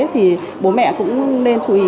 thì bố mẹ cũng nên chú ý